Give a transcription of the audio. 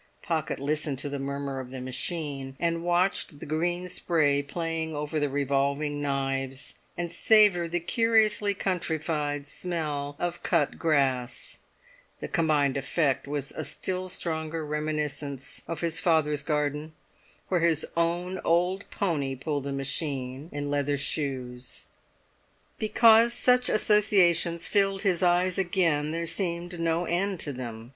Pocket listened to the murmur of the machine, and watched the green spray playing over the revolving knives, and savoured the curiously countrified smell of cut grass; the combined effect was a still stronger reminiscence of his father's garden, where his own old pony pulled the machine in leather shoes. Because such associations filled his eyes again, there seemed no end to them.